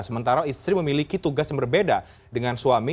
sementara istri memiliki tugas yang berbeda dengan suami